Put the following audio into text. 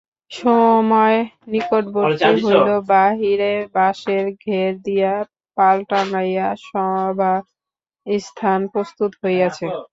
সময় নিকটবর্তী হইল, বাহিরে বাঁশের ঘের দিয়া পাল টাঙাইয়া সভাস্থান প্রস্তুত হইয়াছে।